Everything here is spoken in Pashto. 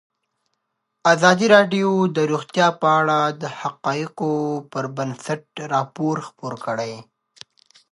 ازادي راډیو د روغتیا په اړه د حقایقو پر بنسټ راپور خپور کړی.